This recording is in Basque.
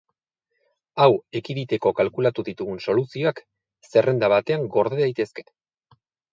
Hau ekiditeko kalkulatu ditugun soluzioak zerrenda batean gorde daitezke.